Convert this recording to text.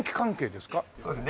そうですね。